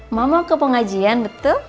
mau mau ke pengajian betul